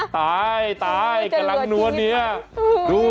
ตายตายกะหลังด้วเงี้ยดู